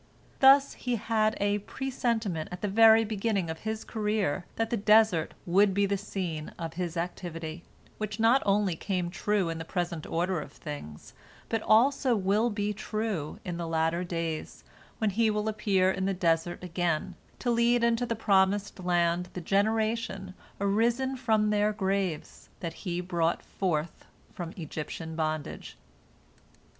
Thus he had a presentiment at the very beginning of his career that the desert would be the scene of his activity, which not only came true in the present order of things, but also will be true in the latter days, when he will appear in the desert again, to lead into the promised land the generation, arisen from their graves, that he brought forth from Egyptian bondage.